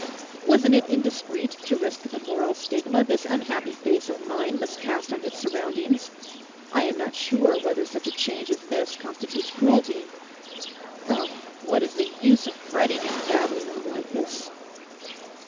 Wasn't it indiscreet to risk the moral stigma this unhappy face of mine must cast on its surroundings? I am not sure whether such a change as this constitutes cruelty.... Oh, what is the use of fretting and babbling on like this?